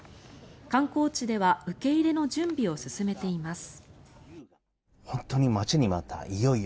観光地では受け入れの準備を進めています。